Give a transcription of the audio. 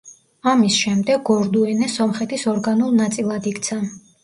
ამის შემდეგ გორდუენე სომხეთის ორგანულ ნაწილად იქცა.